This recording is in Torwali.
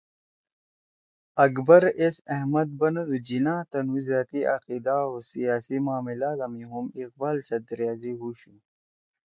اکبر ایس احمد بندُو جناح تنُو زأتی عقیدہ او سیاسی معملادا می ہُم اقبال سیت رأضی ہُوشُو